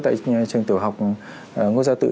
tại trường tiểu học ngo gia tự